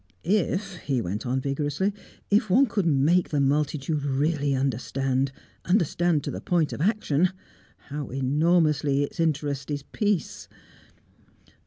"If," he went on vigorously, "if one could make the multitude really understand understand to the point of action how enormously its interest is peace!"